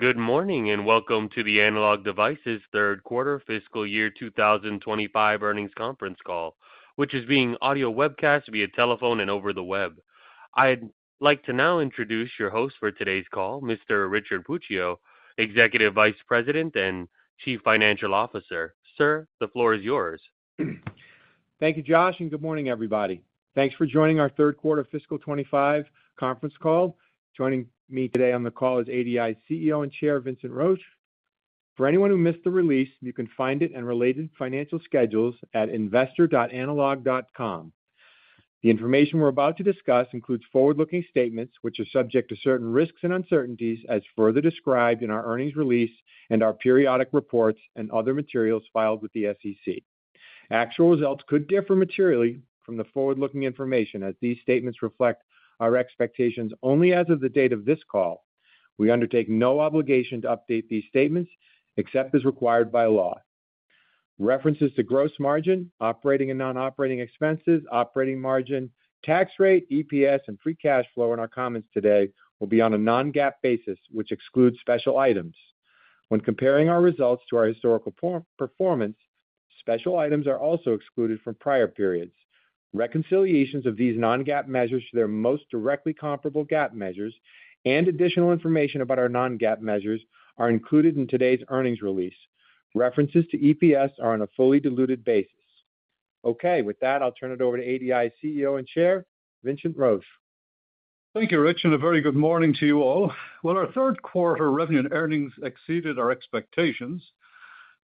Good morning and welcome to the Analog Devices Third Quarter Fiscal Year 2025 Earnings Conference Call, which is being audio webcast via telephone and over the web. I'd like to now introduce your host for today's call, Mr. Richard Puccio, Executive Vice President and Chief Financial Officer. Sir, the floor is yours. Thank you, Josh, and good morning, everybody. Thanks for joining our Third Quarter Fiscal 2025 Conference Call. Joining me today on the call is ADI's CEO and Chair, Vincent Roche. For anyone who missed the release, you can find it and related financial schedules at investor.analog.com. The information we're about to discuss includes forward-looking statements, which are subject to certain risks and uncertainties, as further described in our earnings release and our periodic reports and other materials filed with the SEC. Actual results could differ materially from the forward-looking information as these statements reflect our expectations only as of the date of this call. We undertake no obligation to update these statements except as required by law. References to gross margin, operating and non-operating expenses, operating margin, tax rate, EPS, and free cash flow in our comments today will be on a non-GAAP basis, which excludes special items. When comparing our results to our historical performance, special items are also excluded from prior periods. Reconciliations of these non-GAAP measures to their most directly comparable GAAP measures and additional information about our non-GAAP measures are included in today's earnings release. References to EPS are on a fully diluted basis. With that, I'll turn it over to ADI's CEO and Chair, Vincent Roche. Thank you, Rich, and a very good morning to you all. Our third quarter revenue and earnings exceeded our expectations,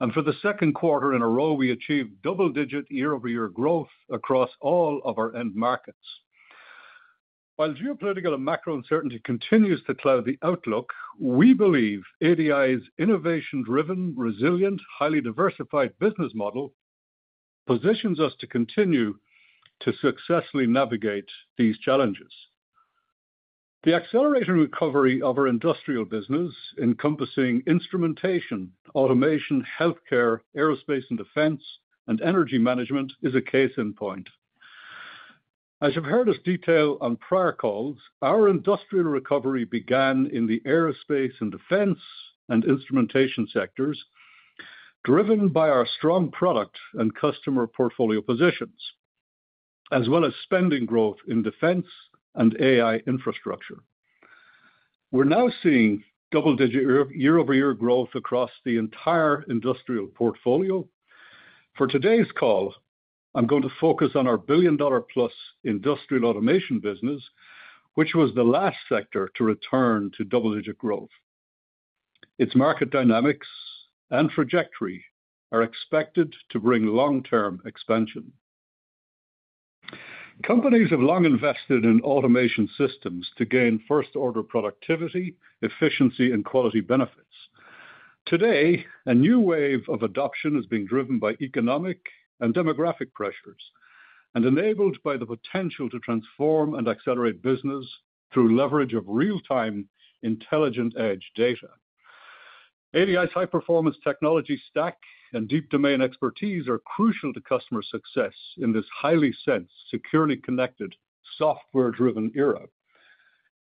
and for the second quarter in a row, we achieved double-digit year-over-year growth across all of our end markets. While geopolitical and macro uncertainty continues to cloud the outlook, we believe ADI's innovation-driven, resilient, highly diversified business model positions us to continue to successfully navigate these challenges. The accelerated recovery of our industrial business, encompassing instrumentation, automation, healthcare, aerospace and defense, and energy management, is a case in point. As you've heard us detail on prior calls, our industrial recovery began in the aerospace and defense and instrumentation sectors, driven by our strong product and customer portfolio positions, as well as spending growth in defense and AI infrastructure. We're now seeing double-digit year-over-year growth across the entire industrial portfolio. For today's call, I'm going to focus on our billion-dollar plus industrial automation business, which was the last sector to return to double-digit growth. Its market dynamics and trajectory are expected to bring long-term expansion. Companies have long invested in automation systems to gain first-order productivity, efficiency, and quality benefits. Today, a new wave of adoption is being driven by economic and demographic pressures, and enabled by the potential to transform and accelerate business through leverage of real-time intelligent Edge data. ADI's high-performance technology stack and deep domain expertise are crucial to customer success in this highly sensed, securely connected, software-driven era,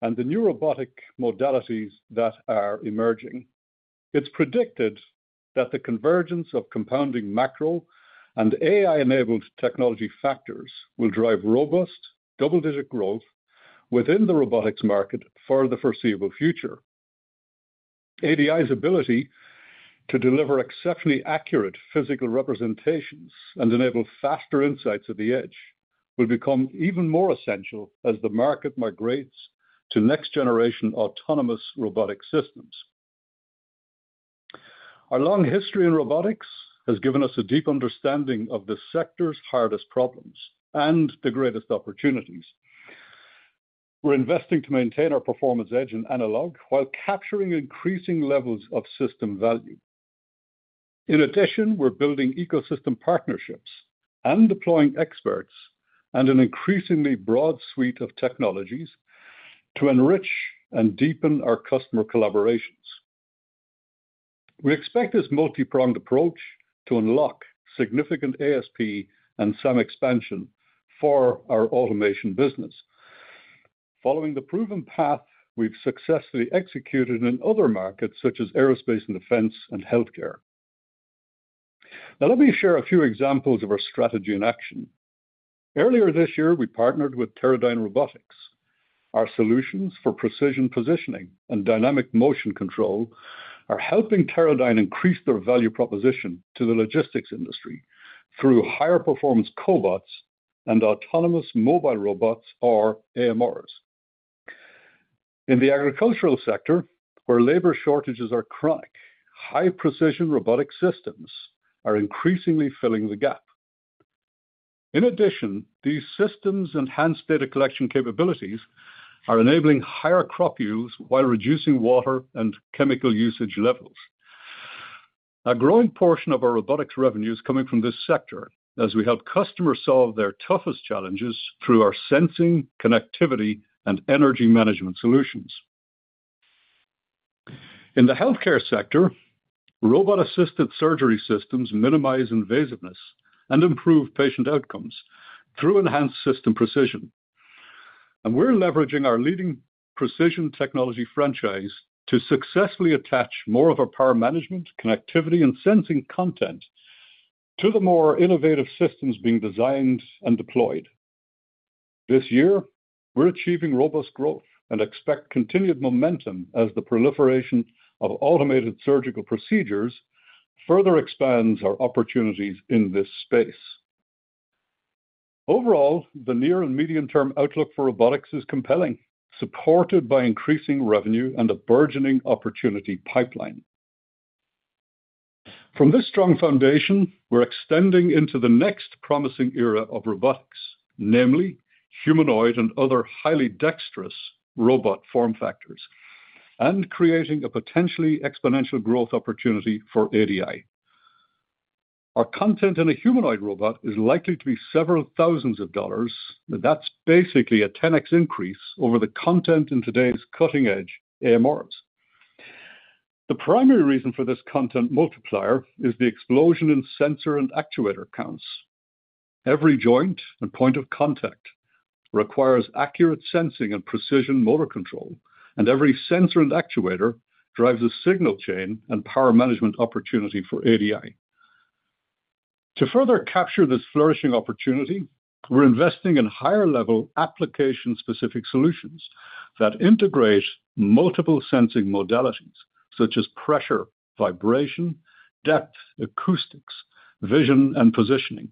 and the new robotic modalities that are emerging. It's predicted that the convergence of compounding macro and AI-enabled technology factors will drive robust double-digit growth within the robotics market for the foreseeable future. ADI's ability to deliver exceptionally accurate physical representations and enable faster insights at the edge will become even more essential as the market migrates to next-generation autonomous robotic systems. Our long history in robotics has given us a deep understanding of the sector's hardest problems and the greatest opportunities. We're investing to maintain our performance edge in analog while capturing increasing levels of system value. In addition, we're building ecosystem partnerships and deploying experts and an increasingly broad suite of technologies to enrich and deepen our customer collaborations. We expect this multipronged approach to unlock significant ASP and SAM expansion for our automation business, following the proven path we've successfully executed in other markets such as aerospace and defense and healthcare. Now, let me share a few examples of our strategy in action. Earlier this year, we partnered with Teradyne Robotics. Our solutions for precision positioning and dynamic motion control are helping Teradyne increase their value proposition to the logistics industry through higher-performance cobots and autonomous mobile robots, or AMRs. In the agricultural sector, where labor shortages are chronic, high-precision robotic systems are increasingly filling the gap. In addition, these systems' enhanced data collection capabilities are enabling higher crop use while reducing water and chemical usage levels. A growing portion of our robotics revenue is coming from this sector as we help customers solve their toughest challenges through our sensing, connectivity, and energy management solutions. In the healthcare sector, robot-assisted surgery systems minimize invasiveness and improve patient outcomes through enhanced system precision. We're leveraging our leading precision technology franchise to successfully attach more of our power management, connectivity, and sensing content to the more innovative systems being designed and deployed. This year, we're achieving robust growth and expect continued momentum as the proliferation of automated surgical procedures further expands our opportunities in this space. Overall, the near and medium-term outlook for robotics is compelling, supported by increasing revenue and a burgeoning opportunity pipeline. From this strong foundation, we're extending into the next promising era of robotics, namely humanoid and other highly dexterous robot form factors, and creating a potentially exponential growth opportunity for ADI. Our content in a humanoid robot is likely to be several thousands of dollars, and that's basically a 10x increase over the content in today's cutting-edge AMRs. The primary reason for this content multiplier is the explosion in sensor and actuator counts. Every joint and point of contact requires accurate sensing and precision motor control, and every sensor and actuator drives a signal chain and power management opportunity for ADI. To further capture this flourishing opportunity, we're investing in higher-level application-specific solutions that integrate multiple sensing modalities, such as pressure, vibration, depth, acoustics, vision, and positioning,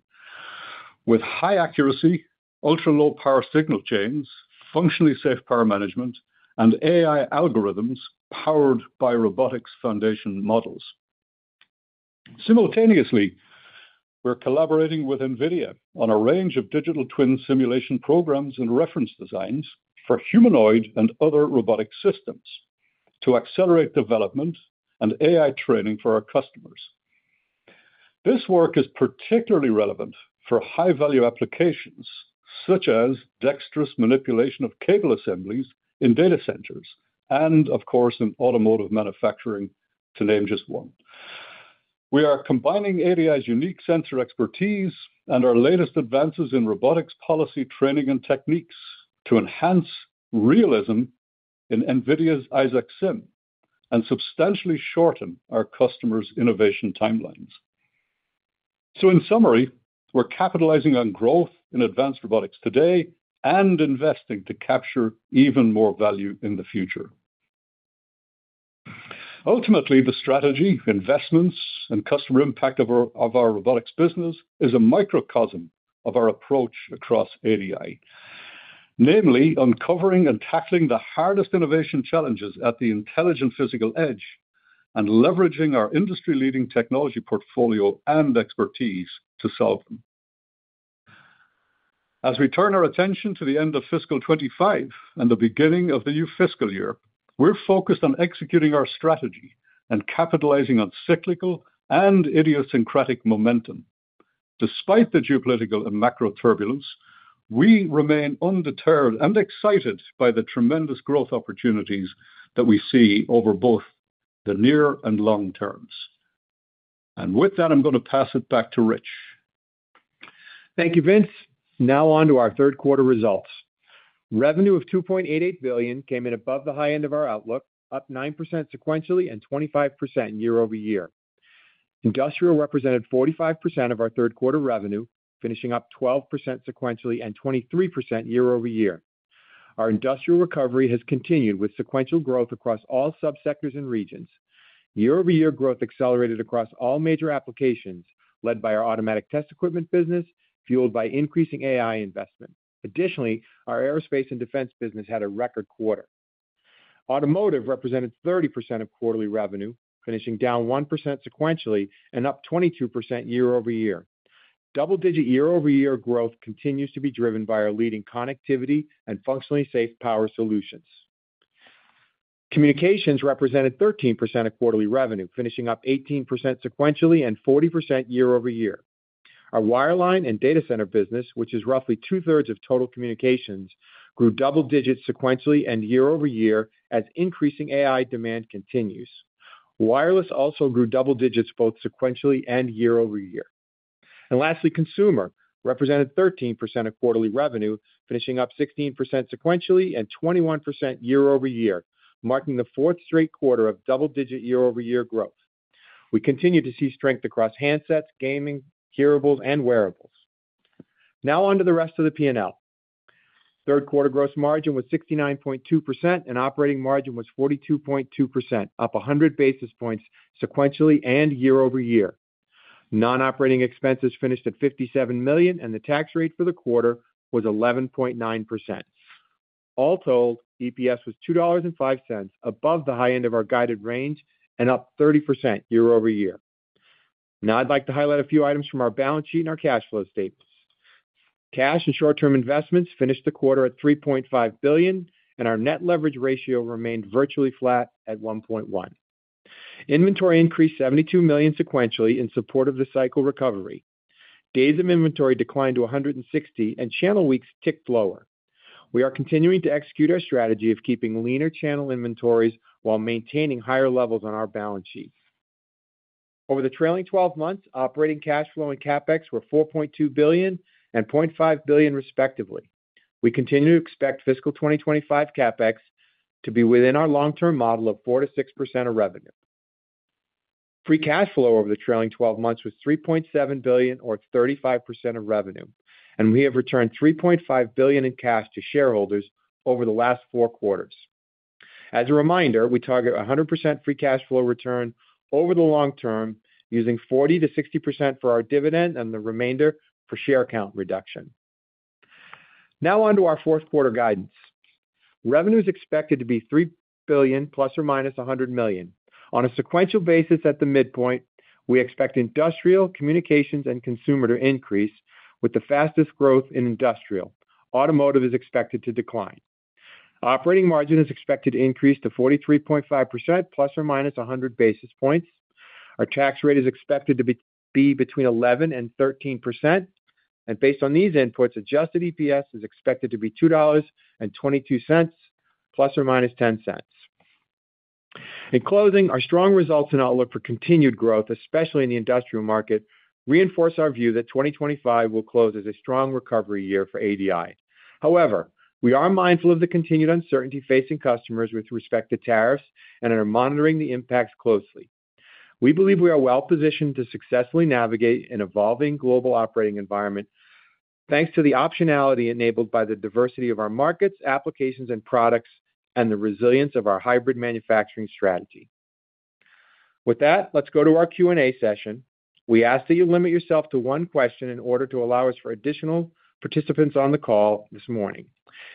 with high accuracy, ultra-low power signal chains, functionally safe power management, and AI algorithms powered by robotics foundation models. Simultaneously, we're collaborating with NVIDIA on a range of digital twin simulation programs and reference designs for humanoid and other robotic systems to accelerate development and AI training for our customers. This work is particularly relevant for high-value applications such as dexterous manipulation of cable assemblies in data centers and, of course, in automotive manufacturing, to name just one. We are combining ADI's unique sensor expertise and our latest advances in robotics policy training and techniques to enhance realism in NVIDIA's Isaac Sim and substantially shorten our customers' innovation timelines. In summary, we're capitalizing on growth in advanced robotics today and investing to capture even more value in the future. Ultimately, the strategy, investments, and customer impact of our robotics business is a microcosm of our approach across ADI, namely uncovering and tackling the hardest innovation challenges at the intelligent physical edge and leveraging our industry-leading technology portfolio and expertise to solve them. As we turn our attention to the end of fiscal 2025 and the beginning of the new fiscal year, we're focused on executing our strategy and capitalizing on cyclical and idiosyncratic momentum. Despite the geopolitical and macro turbulence, we remain undeterred and excited by the tremendous growth opportunities that we see over both the near and long terms. With that, I'm going to pass it back to Rich. Thank you, Vince. Now on to our third quarter results. Revenue of $2.88 billion came in above the high end of our outlook, up 9% sequentially and 25% year-over-year. Industrial represented 45% of our third quarter revenue, finishing up 12% sequentially and 23% year-over-year. Our industrial recovery has continued with sequential growth across all subsectors and regions. Year-over-year growth accelerated across all major applications led by our automatic test equipment business, fueled by increasing AI investment. Additionally, our aerospace and defense business had a record quarter. Automotive represented 30% of quarterly revenue, finishing down 1% sequentially and up 22% year-over-year. Double-digit year-over-year growth continues to be driven by our leading connectivity and functionally safe power solutions. Communications represented 13% of quarterly revenue, finishing up 18% sequentially and 40% year-over-year. Our wireline and data center business, which is roughly two-thirds of total communications, grew double digits sequentially and year-over-year as increasing AI demand continues. Wireless also grew double digits both sequentially and year-over-year. Lastly, consumer represented 13% of quarterly revenue, finishing up 16% sequentially and 21% year-over-year, marking the fourth straight quarter of double-digit year-over-year growth. We continue to see strength across handsets, gaming, hearables, and wearables. Now on to the rest of the P&L. Third quarter gross margin was 69.2% and operating margin was 42.2%, up 100 basis points sequentially and year-over-year. Non-operating expenses finished at $57 million and the tax rate for the quarter was 11.9%. All told, EPS was $2.05 above the high end of our guided range and up 30% year-over-year. Now I'd like to highlight a few items from our balance sheet and our cash flow statements. Cash and short-term investments finished the quarter at $3.5 billion and our net leverage ratio remained virtually flat at 1.1. Inventory increased $72 million sequentially in support of the cycle recovery. Days of inventory declined to 160 and channel weeks ticked lower. We are continuing to execute our strategy of keeping leaner channel inventories while maintaining higher levels on our balance sheet. Over the trailing 12 months, operating cash flow and CapEx were $4.2 billion and $0.5 billion respectively. We continue to expect fiscal 2025 CapEx to be within our long-term model of 4%-6% of revenue. Free cash flow over the trailing 12 months was $3.7 billion or 35% of revenue, and we have returned $3.5 billion in cash to shareholders over the last four quarters. As a reminder, we target a 100% free cash flow return over the long term using 40%-60% for our dividend and the remainder for share count reduction. Now on to our fourth quarter guidance. Revenue is expected to be $3 billion plus or minus $100 million. On a sequential basis at the midpoint, we expect industrial, communications, and consumer to increase with the fastest growth in industrial. Automotive is expected to decline. Operating margin is expected to increase to 43.5% plus or minus 100 basis points. Our tax rate is expected to be between 11% and 13%, and based on these inputs, adjusted EPS is expected to be $2.22 plus or minus $0.10. In closing, our strong results and outlook for continued growth, especially in the industrial market, reinforce our view that 2025 will close as a strong recovery year for ADI. However, we are mindful of the continued uncertainty facing customers with respect to tariffs and are monitoring the impacts closely. We believe we are well positioned to successfully navigate an evolving global operating environment thanks to the optionality enabled by the diversity of our markets, applications, and products, and the resilience of our hybrid manufacturing strategy. With that, let's go to our Q&A session. We ask that you limit yourself to one question in order to allow us for additional participants on the call this morning.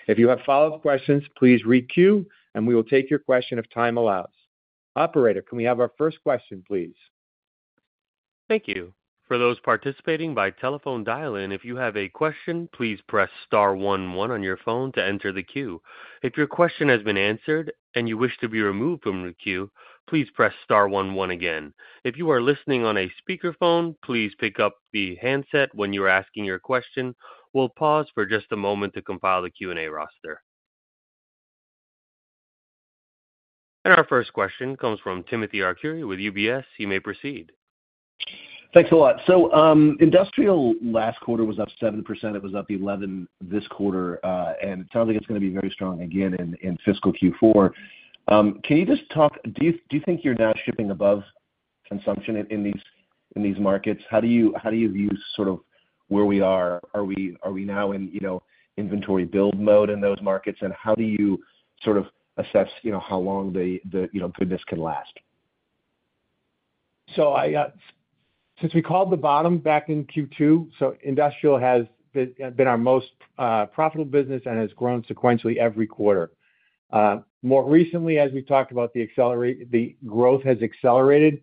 If you have follow-up questions, please re-queue and we will take your question if time allows. Operator, can we have our first question, please? Thank you. For those participating by telephone, dial in. If you have a question, please press star one one on your phone to enter the queue. If your question has been answered and you wish to be removed from the queue, please press star one one again. If you are listening on a speakerphone, please pick up the handset when you are asking your question. We'll pause for just a moment to compile the Q&A roster. Our first question comes from Timothy Arcuri with UBS. You may proceed. Thanks a lot. Industrial last quarter was up 7%. It was up 11% this quarter, and it sounds like it's going to be very strong again in fiscal Q4. Can you just talk, do you think you're now shipping above consumption in these markets? How do you view sort of where we are? Are we now in, you know, inventory build mode in those markets? How do you sort of assess, you know, how long the business can last? Since we called the bottom back in Q2, industrial has been our most profitable business and has grown sequentially every quarter. More recently, as we talked about, the growth has accelerated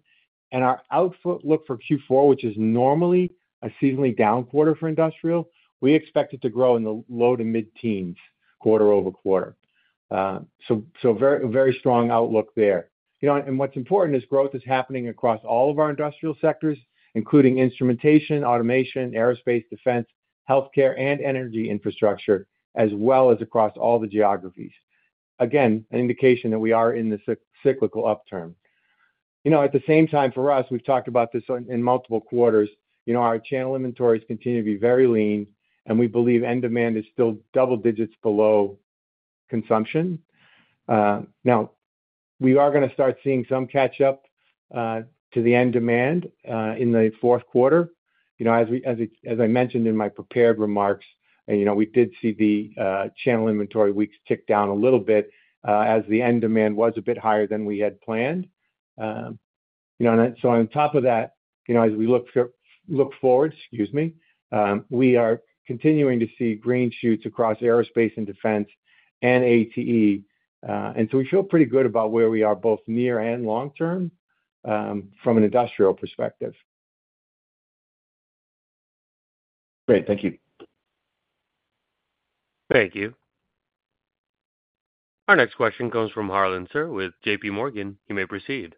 and our outlook for Q4, which is normally a seasonally down quarter for industrial, we expect it to grow in the low to mid-teens quarter-over-quarter. Very, very strong outlook there. You know, and what's important is growth is happening across all of our industrial sectors, including instrumentation, automation, aerospace, defense, healthcare, and energy infrastructure, as well as across all the geographies. Again, an indication that we are in this cyclical upturn. At the same time for us, we've talked about this in multiple quarters. Our channel inventories continue to be very lean and we believe end demand is still double digits below consumption. Now we are going to start seeing some catch up to the end demand in the fourth quarter. As I mentioned in my prepared remarks, we did see the channel inventory weeks tick down a little bit, as the end demand was a bit higher than we had planned. On top of that, as we look forward, we are continuing to see green shoots across aerospace and defense and ATE. We feel pretty good about where we are both near and long term, from an industrial perspective. Great, thank you. Thank you. Our next question comes from Harlan Sur with JPMorgan. You may proceed.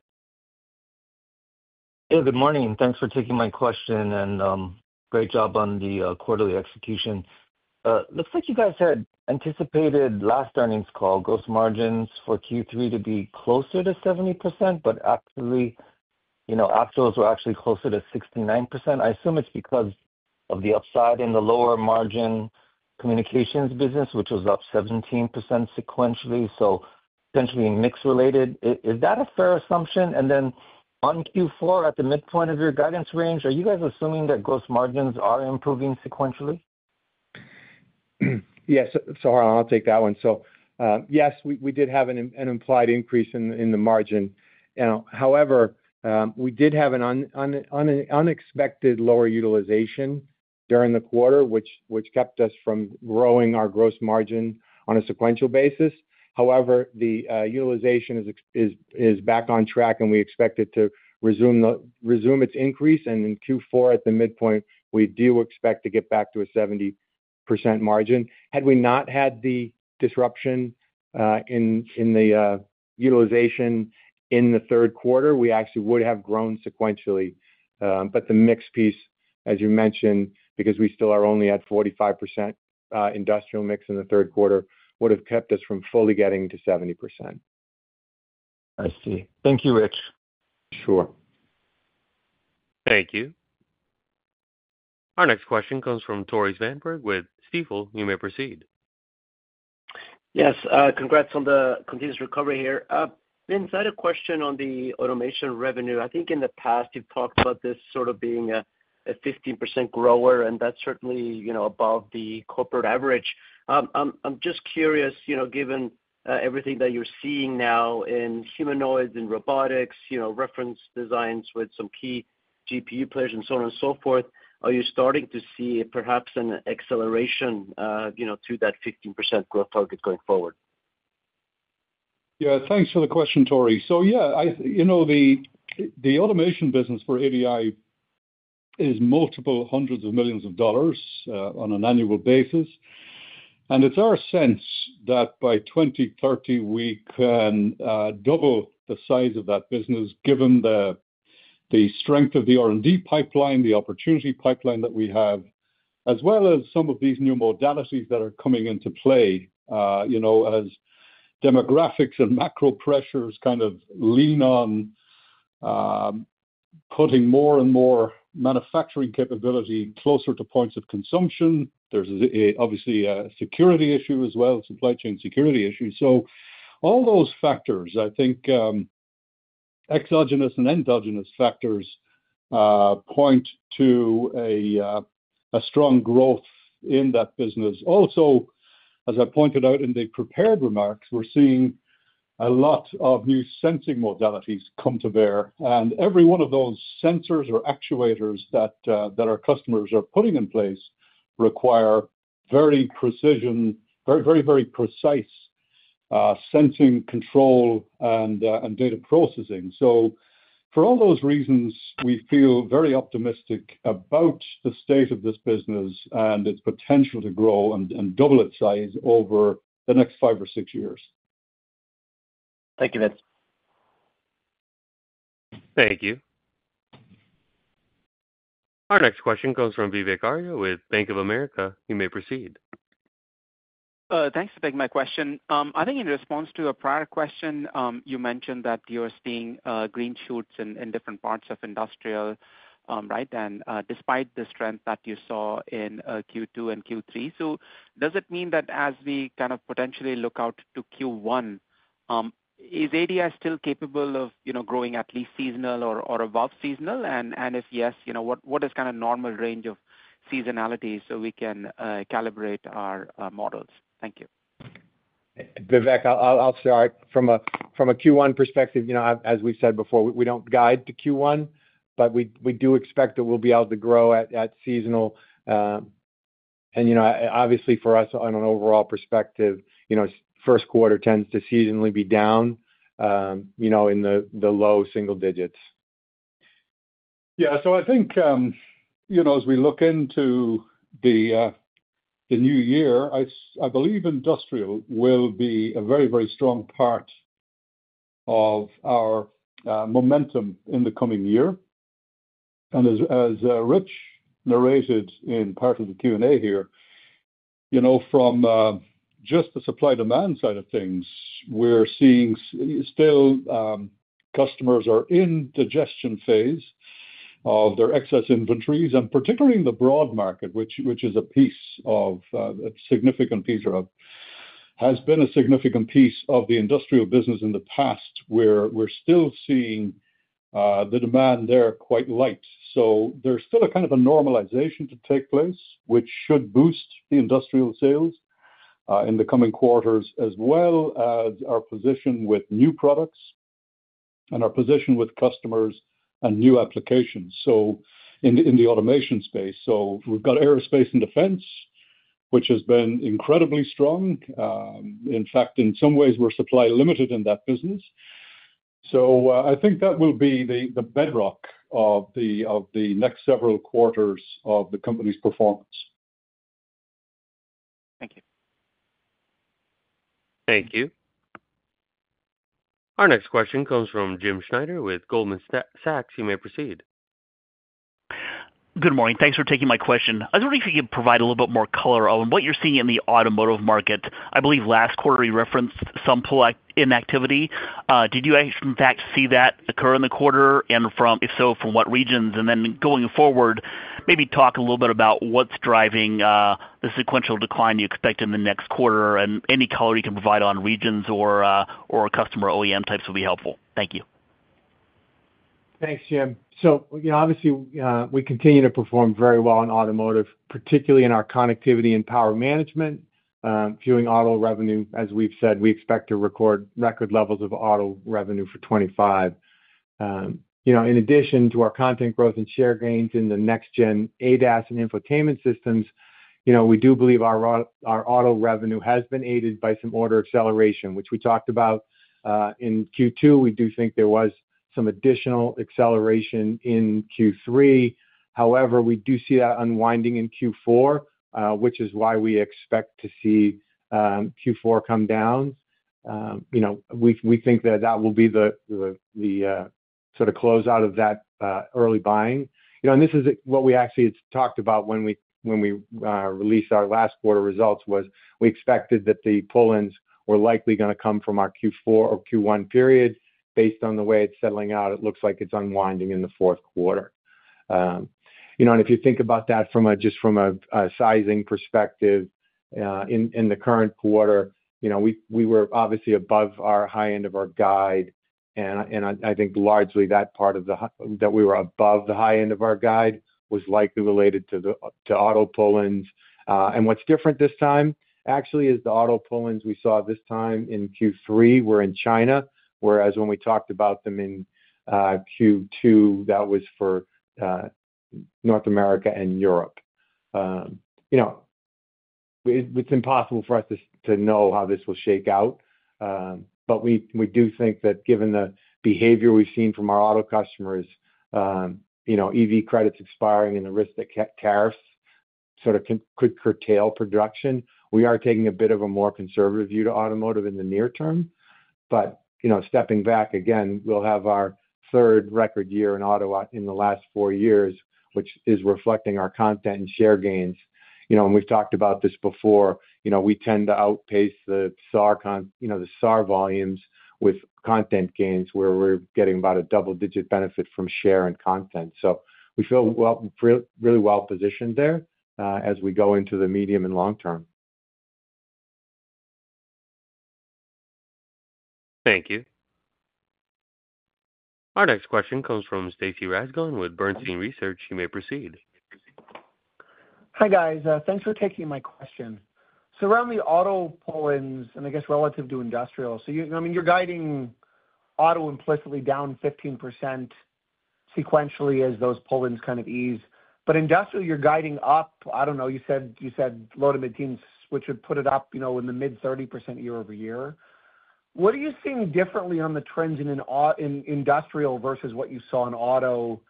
Hey, good morning. Thanks for taking my question and great job on the quarterly execution. Looks like you guys had anticipated last earnings call gross margins for Q3 to be closer to 70%, but actually, you know, afterwards we're actually closer to 69%. I assume it's because of the upside in the lower margin communications business, which was up 17% sequentially. Potentially a mix related. Is that a fair assumption? On Q4 at the midpoint of your guidance range, are you guys assuming that gross margins are improving sequentially? Yeah, Harlan, I'll take that one. Yes, we did have an implied increase in the margin. However, we did have an unexpected lower utilization during the quarter, which kept us from growing our gross margin on a sequential basis. However, the utilization is back on track and we expect it to resume its increase. In Q4 at the midpoint, we do expect to get back to a 70% margin. Had we not had the disruption in the utilization in the third quarter, we actually would have grown sequentially. The mix piece, as you mentioned, because we still are only at 45% industrial mix in the third quarter, would have kept us from fully getting to 70%. I see. Thank you, Rich. Sure. Thank you. Our next question comes from Tore Svanberg with Stifel. You may proceed. Yes, congrats on the continuous recovery here. Vince, I had a question on the automation revenue. I think in the past you've talked about this sort of being a 15% grower and that's certainly, you know, above the corporate average. I'm just curious, given everything that you're seeing now in humanoids and robotics, reference designs with some key GPU players and so on and so forth, are you starting to see perhaps an acceleration to that 15% growth target going forward? Yeah, thanks for the question, Tore. The automation business for ADI is multiple hundreds of millions of dollars on an annual basis. It's our sense that by 2030, we can double the size of that business given the strength of the R&D pipeline, the opportunity pipeline that we have, as well as some of these new modalities that are coming into play, as demographics and macro pressures kind of lean on putting more and more manufacturing capability closer to points of consumption. There's obviously a security issue as well, supply chain security issues. All those factors, I think, exogenous and endogenous factors point to a strong growth in that business. Also, as I pointed out in the prepared remarks, we're seeing a lot of new sensing modalities come to bear. Every one of those sensors or actuators that our customers are putting in place requires very, very, very precise sensing control and data processing. For all those reasons, we feel very optimistic about the state of this business and its potential to grow and double its size over the next five or six years. Thank you, Vince. Thank you. Our next question comes from Vivek Arya with Bank of America. You may proceed. Thanks for taking my question. I think in response to a prior question, you mentioned that you're seeing green shoots in different parts of industrial right then, despite the strength that you saw in Q2 and Q3. Does it mean that as we kind of potentially look out to Q1, is ADI still capable of growing at least seasonal or above seasonal? If yes, what is kind of normal range of seasonality so we can calibrate our models? Thank you. Vivek, I'll start. From a Q1 perspective, as we've said before, we don't guide to Q1, but we do expect that we'll be able to grow at seasonal. Obviously, for us on an overall perspective, first quarter tends to seasonally be down in the low single digits. Yeah, I think, you know, as we look into the new year, I believe industrial will be a very, very strong part of our momentum in the coming year. As Rich narrated in part of the Q&A here, from just the supply-demand side of things, we're seeing customers are in the digestion phase of their excess inventories, and particularly in the broad market, which is a significant piece or has been a significant piece of the industrial business in the past, we're still seeing the demand there quite light. There's still a kind of normalization to take place, which should boost the industrial sales in the coming quarters as well as our position with new products and our position with customers and new applications. In the automation space, we've got aerospace and defense, which has been incredibly strong. In fact, in some ways, we're supply limited in that business. I think that will be the bedrock of the next several quarters of the company's performance. Thank you. Thank you. Our next question comes from Jim Schneider with Goldman Sachs. You may proceed. Good morning. Thanks for taking my question. I was wondering if you could provide a little bit more color on what you're seeing in the automotive market. I believe last quarter you referenced some pullback in activity. Did you actually see that occur in the quarter? If so, from what regions? Going forward, maybe talk a little bit about what's driving the sequential decline you expect in the next quarter and any color you can provide on regions or customer OEM types would be helpful. Thank you. Thanks, Jim. Obviously, we continue to perform very well in automotive, particularly in our connectivity and power management. Fueling auto revenue, as we've said, we expect to record record levels of auto revenue for 2025. In addition to our content growth and share gains in the next-gen ADAS and infotainment systems, we do believe our auto revenue has been aided by some order acceleration, which we talked about in Q2. We do think there was some additional acceleration in Q3. However, we do see that unwinding in Q4, which is why we expect to see Q4 come down. We think that will be the sort of closeout of that early buying. This is what we actually talked about when we released our last quarter results; we expected that the pull-ins were likely going to come from our Q4 or Q1 period. Based on the way it's settling out, it looks like it's unwinding in the fourth quarter. If you think about that from just a sizing perspective in the current quarter, we were obviously above our high end of our guide. I think largely that part of the reason we were above the high end of our guide was likely related to auto pull-ins. What's different this time is the auto pull-ins we saw in Q3 were in China, whereas when we talked about them in Q2, that was for North America and Europe. It's impossible for us to know how this will shake out. We do think that given the behavior we've seen from our auto customers, EV credits expiring and the risk that tariffs could curtail production, we are taking a bit of a more conservative view to automotive in the near term. Stepping back again, we'll have our third record year in auto in the last four years, which is reflecting our content and share gains. We've talked about this before; we tend to outpace the SAR volumes with content gains where we're getting about a double-digit benefit from share and content. We feel really well positioned there as we go into the medium and long term. Thank you. Our next question comes from Stacy Rasgon with Bernstein Research. You may proceed. Hi guys, thanks for taking my question. Around the auto pull-ins, and I guess relative to industrial, you're guiding auto implicitly down 15% sequentially as those pull-ins kind of ease. Industrial, you're guiding up, I don't know, you said low to mid-teens, which would put it up, you know, in the mid-30% year-over-year. What are you seeing differently on the trends in industrial versus what you saw in auto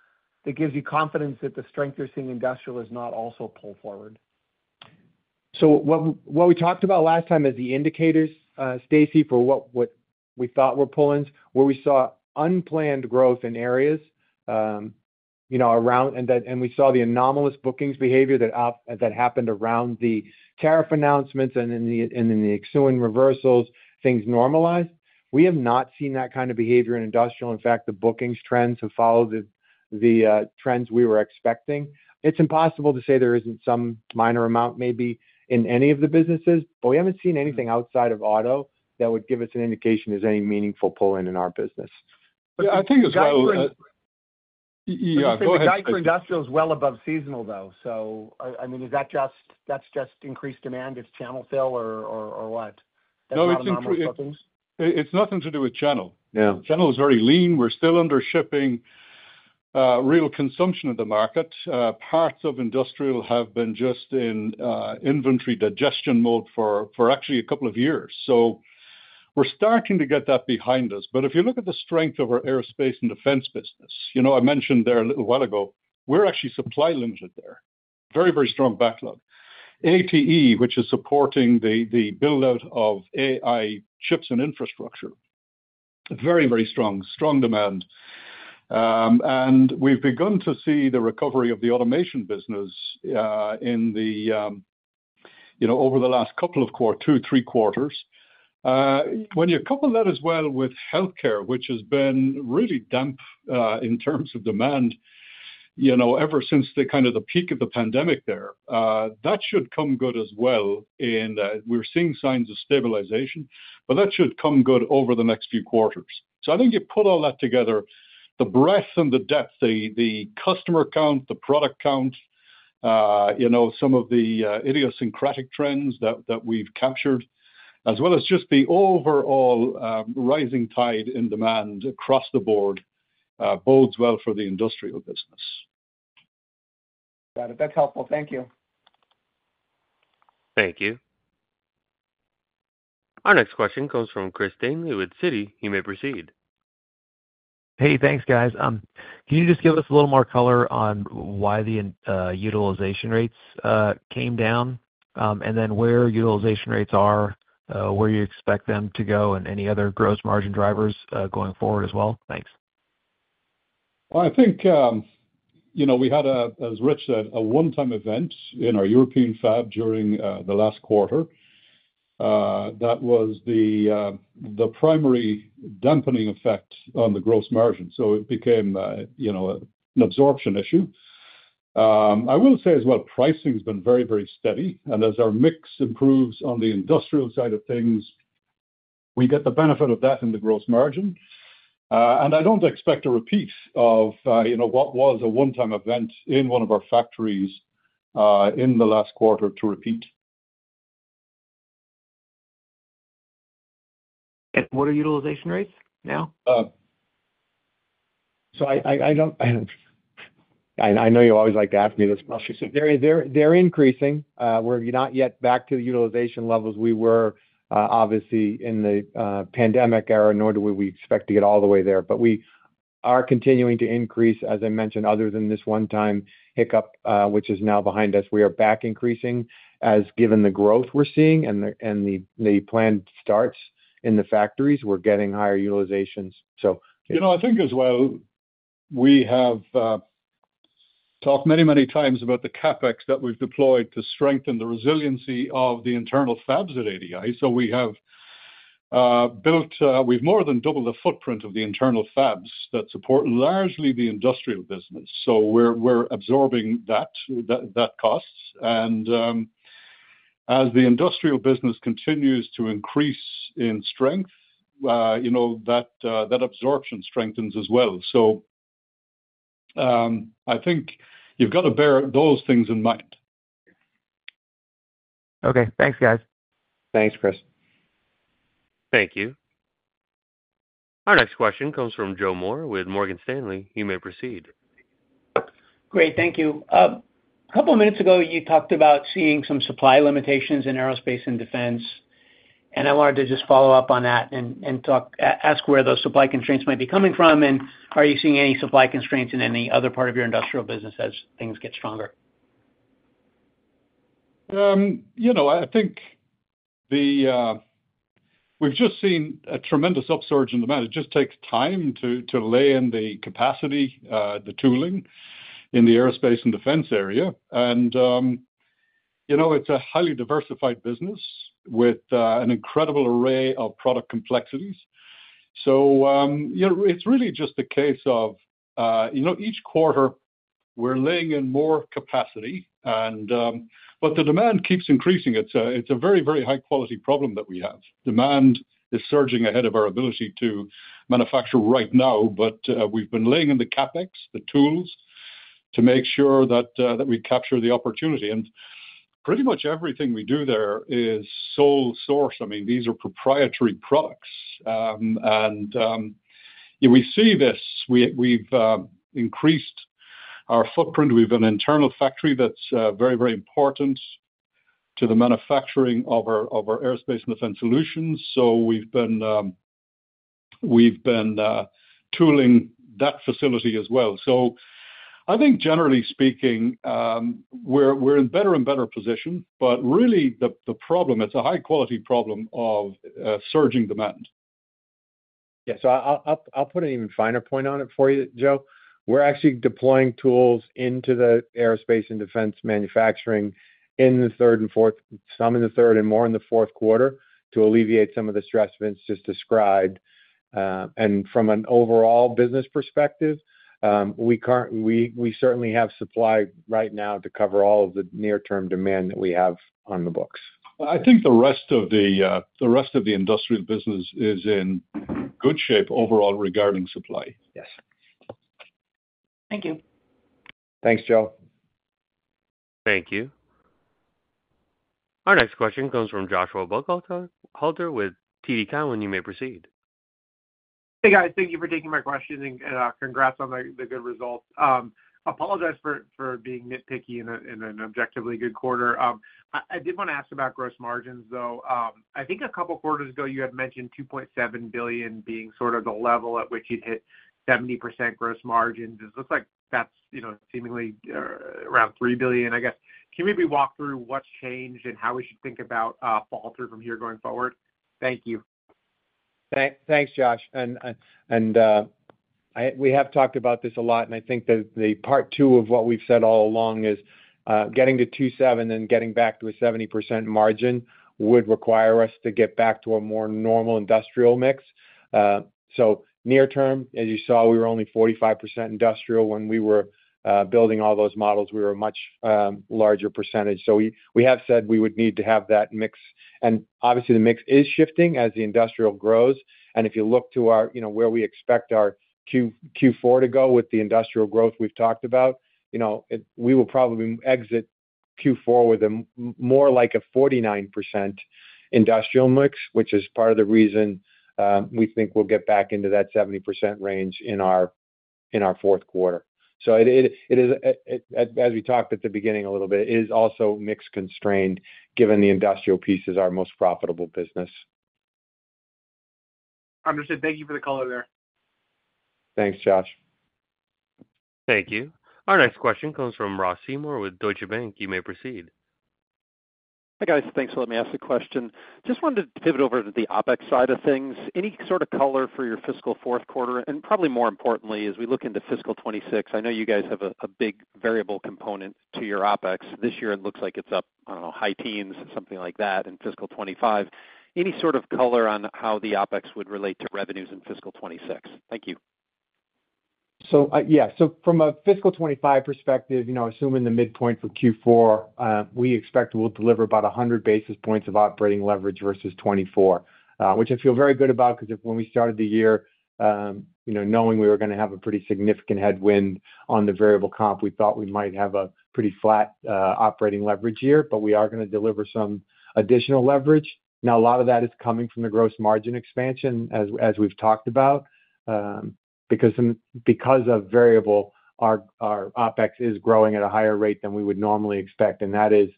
that gives you confidence that the strength you're seeing in industrial is not also pull forward? What we talked about last time is the indicators, Stacy, for what we thought were pull-ins, where we saw unplanned growth in areas, you know, around, and we saw the anomalous bookings behavior that happened around the tariff announcements and in the exceeding reversals, things normalized. We have not seen that kind of behavior in industrial. In fact, the bookings trends have followed the trends we were expecting. It's impossible to say there isn't some minor amount maybe in any of the businesses, but we haven't seen anything outside of auto that would give us an indication there's any meaningful pull-in in our business. Yeah, I think it's going to... Go ahead. The guide for industrial is well above seasonal, though. Is that just increased demand? It's channel fill or what? No, it's nothing to do with channel. Channel is very lean. We're still under shipping real consumption of the market. Parts of industrial have been just in inventory digestion mode for actually a couple of years. We're starting to get that behind us. If you look at the strength of our aerospace and defense business, I mentioned there a little while ago, we're actually supply limited there. Very, very strong backlog. ATE which is supporting the build-out of AI chips and infrastructure, very, very strong demand. We've begun to see the recovery of the automation business over the last couple of quarters, two, three quarters. When you couple that as well with healthcare, which has been really damp in terms of demand ever since the peak of the pandemic, that should come good as well in that we're seeing signs of stabilization, but that should come good over the next few quarters. I think you put all that together, the breadth and the depth, the customer count, the product count, some of the idiosyncratic trends that we've captured, as well as just the overall rising tide in demand across the board, bodes well for the industrial business. Got it. That's helpful. Thank you. Thank you. Our next question comes from Chris Danely with Citi. You may proceed. Hey, thanks, guys. Can you just give us a little more color on why the utilization rates came down, where utilization rates are, where you expect them to go, and any other gross margin drivers going forward as well? Thanks. I think we had, as Rich said, a one-time event in our European fab during the last quarter. That was the primary dampening effect on the gross margin. It became an absorption issue. I will say as well, pricing has been very, very steady. As our mix improves on the industrial side of things, we get the benefit of that in the gross margin. I don't expect a repeat of what was a one-time event in one of our factories in the last quarter to repeat. What are utilization rates now? I know you always like to ask me this question. They're increasing. We're not yet back to the utilization levels we were, obviously, in the pandemic era, nor do we expect to get all the way there. We are continuing to increase, as I mentioned, other than this one-time hiccup, which is now behind us. We are back increasing as given the growth we're seeing and the planned starts in the factories. We're getting higher utilizations. I think as well, we have talked many, many times about the CapEx that we've deployed to strengthen the resiliency of the internal fabs at ADI. We have built, we've more than doubled the footprint of the internal fabs that support largely the industrial business. We're absorbing that cost, and as the industrial business continues to increase in strength, that absorption strengthens as well. I think you've got to bear those things in mind. Okay, thanks, guys. Thanks, Chris. Thank you. Our next question comes from Joe Moore with Morgan Stanley. You may proceed. Great, thank you. A couple of minutes ago, you talked about seeing some supply limitations in aerospace and defense. I wanted to just follow up on that and ask where those supply constraints might be coming from. Are you seeing any supply constraints in any other part of your industrial business as things get stronger? I think we've just seen a tremendous upsurge in demand. It just takes time to lay in the capacity, the tooling in the aerospace and defense area. It's a highly diversified business with an incredible array of product complexities. It's really just a case of each quarter we're laying in more capacity, but the demand keeps increasing. It's a very, very high-quality problem that we have. Demand is surging ahead of our ability to manufacture right now. We've been laying in the CapEx, the tools to make sure that we capture the opportunity. Pretty much everything we do there is sole source. These are proprietary products. We see this. We've increased our footprint. We have an internal factory that's very, very important to the manufacturing of our aerospace and defense solutions. We've been tooling that facility as well. I think, generally speaking, we're in a better and better position. Really, the problem, it's a high-quality problem of surging demand. I'll put an even finer point on it for you, Joe. We're actually deploying tools into the aerospace and defense manufacturing in the third and fourth, some in the third and more in the fourth quarter to alleviate some of the stress events just described. From an overall business perspective, we certainly have supply right now to cover all of the near-term demand that we have on the books. I think the rest of the industrial business is in good shape overall regarding supply. Yes. Thank you. Thanks, Joe. Thank you. Our next question comes from Joshua Buchalter with TD Cowen. You may proceed. Hey guys, thank you for taking my question and congrats on the good results. Apologize for being nitpicky in an objectively good quarter. I did want to ask about gross margins, though. I think a couple of quarters ago you had mentioned $2.7 billion being sort of the level at which you'd hit 70% gross margins. It looks like that's, you know, seemingly around $3 billion. I guess, can you maybe walk through what's changed and how we should think about fall through from here going forward? Thank you. Thanks, Josh. We have talked about this a lot. I think that the part two of what we've said all along is getting to $2.7 billion and getting back to a 70% margin would require us to get back to a more normal industrial mix. Near term, as you saw, we were only 45% industrial when we were building all those models. We were a much larger percentage. We have said we would need to have that mix. Obviously, the mix is shifting as the industrial grows. If you look to our, you know, where we expect our Q4 to go with the industrial growth we've talked about, we will probably exit Q4 with a more like a 49% industrial mix, which is part of the reason we think we'll get back into that 70% range in our fourth quarter. It is, as we talked at the beginning a little bit, also mix constrained given the industrial piece is our most profitable business. Understood. Thank you for the color there. Thanks, Josh. Thank you. Our next question comes from Ross Seymore with Deutsche Bank. You may proceed. Hi guys, thanks for letting me ask a question. Just wanted to pivot over to the OpEx side of things. Any sort of color for your fiscal fourth quarter? Probably more importantly, as we look into fiscal 2026, I know you guys have a big variable component to your OpEx. This year, it looks like it's up, I don't know, high teens, something like that in fiscal 2025. Any sort of color on how the OpEx would relate to revenues in fiscal 2026? Thank you. From a fiscal 2025 perspective, assuming the midpoint for Q4, we expect we'll deliver about 100 basis points of operating leverage versus 2024, which I feel very good about because when we started the year, knowing we were going to have a pretty significant headwind on the variable comp, we thought we might have a pretty flat operating leverage year, but we are going to deliver some additional leverage. A lot of that is coming from the gross margin expansion, as we've talked about, because of variable, our OpEx is growing at a higher rate than we would normally expect. That is,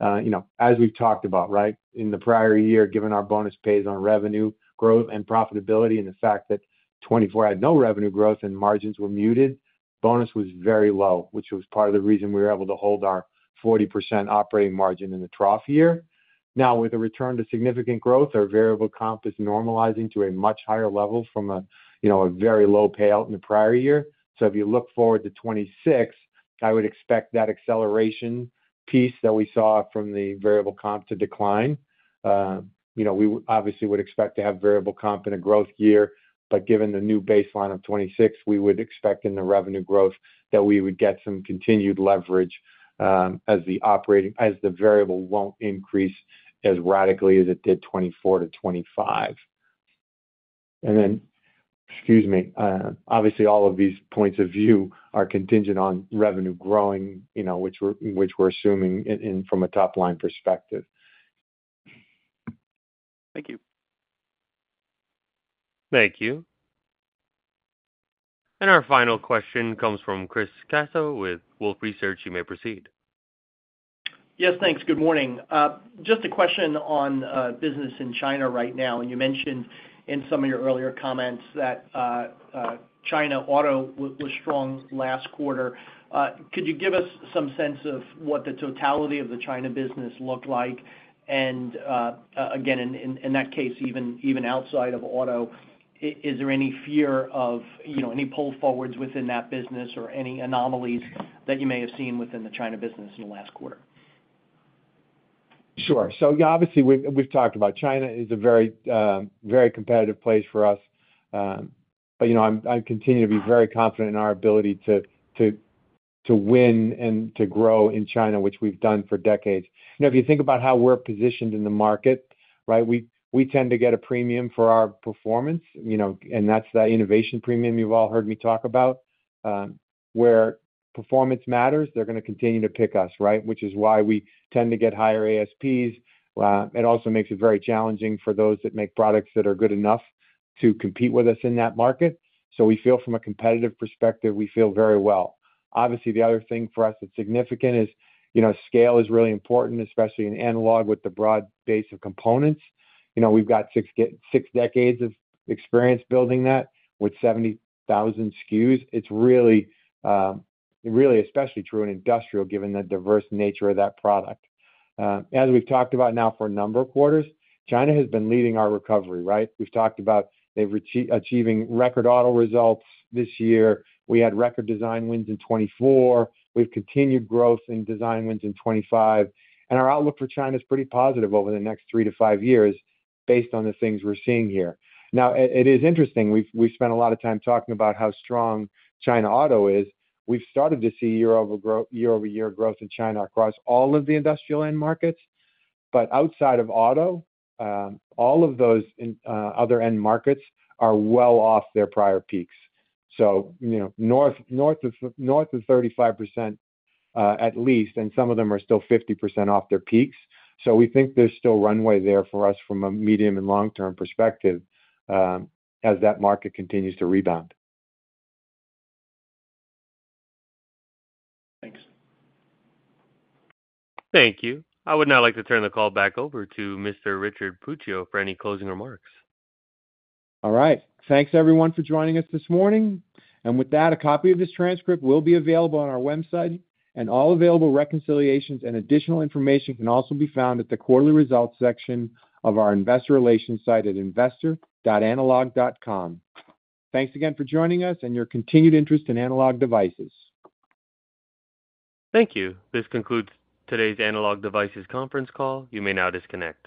as we've talked about, in the prior year, given our bonus pays on revenue growth and profitability and the fact that 2024 had no revenue growth and margins were muted, bonus was very low, which was part of the reason we were able to hold our 40% operating margin in the trough year. Now, with a return to significant growth, our variable comp is normalizing to a much higher level from a very low payout in the prior year. If you look forward to 2026, I would expect that acceleration piece that we saw from the variable comp to decline. We obviously would expect to have variable comp in a growth year, but given the new baseline of 2026, we would expect in the revenue growth that we would get some continued leverage as the variable won't increase as radically as it did 2024 to 2025. Excuse me, obviously all of these points of view are contingent on revenue growing, which we're assuming from a top line perspective. Thank you. Thank you. Our final question comes from Chris Caso with Wolfe Research. You may proceed. Yes, thanks. Good morning. Just a question on business in China right now. You mentioned in some of your earlier comments that China auto was strong last quarter. Could you give us some sense of what the totality of the China business looked like? In that case, even outside of auto, is there any fear of any pull forwards within that business or any anomalies that you may have seen within the China business in the last quarter? Sure. Obviously, we've talked about China is a very, very competitive place for us. I continue to be very confident in our ability to win and to grow in China, which we've done for decades. Now, if you think about how we're positioned in the market, we tend to get a premium for our performance, and that's that innovation premium you've all heard me talk about. Where performance matters, they're going to continue to pick us, which is why we tend to get higher ASPs. It also makes it very challenging for those that make products that are good enough to compete with us in that market. From a competitive perspective, we feel very well. Obviously, the other thing for us that's significant is scale is really important, especially in analog with the broad base of components. We've got six decades of experience building that with 70,000 SKUs. It's really, really especially true in industrial given the diverse nature of that product. As we've talked about now for a number of quarters, China has been leading our recovery. We've talked about them achieving record auto results this year. We had record design wins in 2024. We've continued growth in design wins in 2025. Our outlook for China is pretty positive over the next three to five years based on the things we're seeing here. It is interesting. We've spent a lot of time talking about how strong China auto is. We've started to see year-over-year growth in China across all of the industrial end markets. Outside of auto, all of those other end markets are well off their prior peaks, north of 35% at least, and some of them are still 50% off their peaks. We think there's still runway there for us from a medium and long-term perspective as that market continues to rebound. Thank you. I would now like to turn the call back over to Mr. Richard Puccio for any closing remarks. All right. Thanks everyone for joining us this morning. A copy of this transcript will be available on our website. All available reconciliations and additional information can also be found at the quarterly results section of our investor relations site at investor.analog.com. Thanks again for joining us and your continued interest in Analog Devices. Thank you. This concludes today's Analog Devices conference call. You may now disconnect.